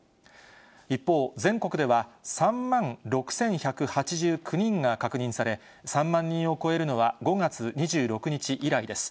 一方、全国では３万６１８９人が確認され、３万人を超えるのは５月２６日以来です。